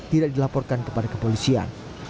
tidak dilaporkan kepada kepolisian